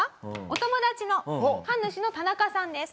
お友達の神主の田中さんです。